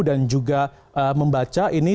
dan juga membaca ini